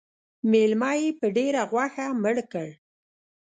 _مېلمه يې په ډېره غوښه مړ کړ.